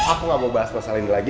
aku gak mau bahas masalah ini lagi